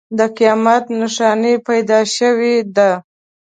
د قیامت نښانه پیدا شوې ده.